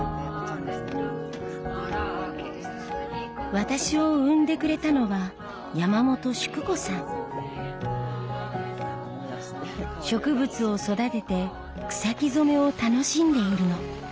私を生んでくれたのは植物を育てて草木染めを楽しんでいるの。